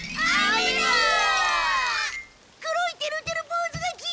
黒いてるてるぼうずがきいた！